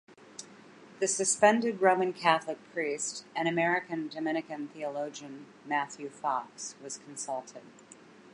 The suspended Roman Catholic priest and American Dominican theologian Matthew Fox was consulted.